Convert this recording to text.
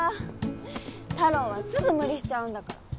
たろーはすぐ無理しちゃうんだから。